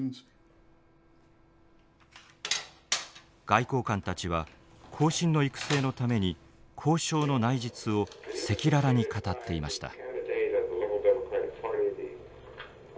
外交官たちは後進の育成のために交渉の内実を赤裸々に語っていました。